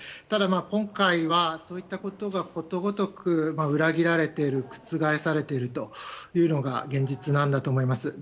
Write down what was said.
ただ、今回はこういったことがことごとく裏切られている覆されているというのが現実なんだと思います。